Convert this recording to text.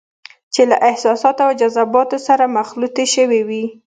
چې له احساساتو او جذباتو سره مخلوطې شوې وي.